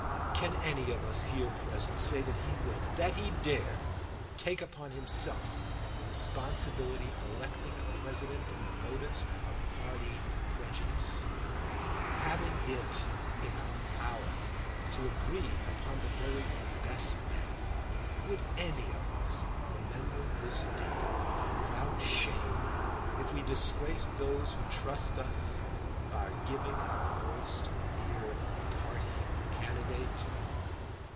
"Can any of us here present say that he will, that he dare, take upon himself the responsibility of electing a President from motives of party prejudice? Having it in our power to agree upon the very best man, would any of us remember this day without shame if we disgraced those who trust us, by giving our votes to a mere party candidate?